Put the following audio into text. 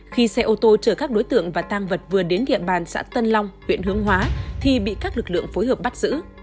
khi xe ô tô chở các đối tượng và tang vật vừa đến địa bàn xã tân long huyện hướng hóa thì bị các lực lượng phối hợp bắt giữ